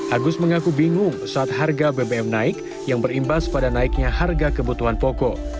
agus mengaku bingung saat harga bbm naik yang berimbas pada naiknya harga kebutuhan pokok